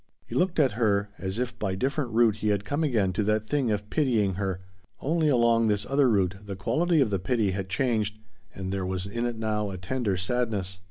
He looked at her as if by different route he had come again to that thing of pitying her; only along this other route the quality of the pity had changed and there was in it now a tender sadness.